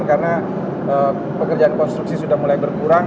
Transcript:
karena pekerjaan konstruksi sudah mulai berkurang